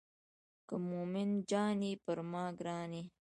که مومن جان یې پر ما ګران یې.